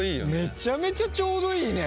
めちゃめちゃちょうどいいね！